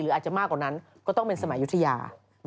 อาจจะมากกว่านั้นก็ต้องเป็นสมัยยุธยา